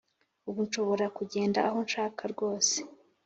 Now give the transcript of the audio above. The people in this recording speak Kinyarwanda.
ubu nshobora kugenda aho shaka rwose